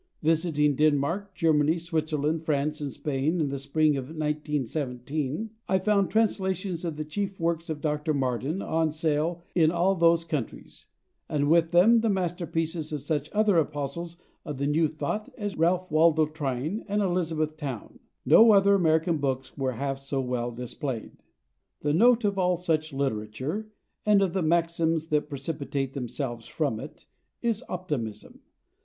Visiting Denmark, Germany, Switzerland, France and Spain in the spring of 1917, I found translations of the chief works of Dr. Marden on sale in all those countries, and with them the masterpieces of such other apostles of the New Thought as Ralph Waldo Trine and Elizabeth Towne. No other American books were half so well displayed. The note of all such literature, and of the maxims that precipitate themselves from it, is optimism.